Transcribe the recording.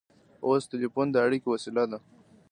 اوس ټیلیفون د اړیکې وسیله ده.